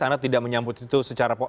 karena tidak menyambut itu secara